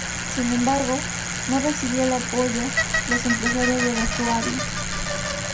Sin embargo, no recibió el apoyo los empresarios de la Suabia.